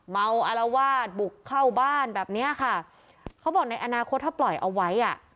เมาอารวาสบุกเข้าบ้านแบบเนี้ยค่ะเขาบอกในอนาคตถ้าปล่อยเอาไว้อ่ะ